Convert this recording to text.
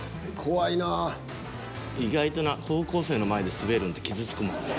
意外とな高校生の前でスベるんって傷つくもん。